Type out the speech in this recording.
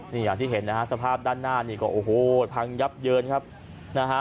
นี่อย่างที่เห็นนะฮะสภาพด้านหน้านี่ก็โอ้โหพังยับเยินครับนะฮะ